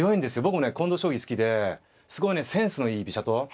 僕もね近藤将棋好きですごいねセンスのいい居飛車党。